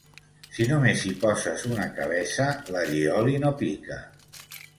Si només hi poses una cabeça, l'allioli no pica.